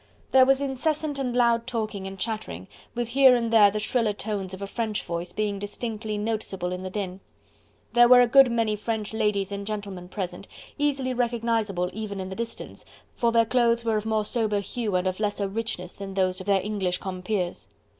There was incessant and loud talking and chattering, with here and there the shriller tones of a French voice being distinctly noticeable in the din. There were a good many French ladies and gentlemen present, easily recognisable, even in the distance, for their clothes were of more sober hue and of lesser richness than those of their English compeers.